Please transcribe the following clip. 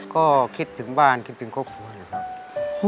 ก็คิดถึงบ้านคิดถึงครอบครัวอยู่ครับ